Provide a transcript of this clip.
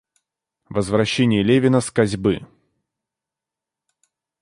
Возвращение Левина с косьбы.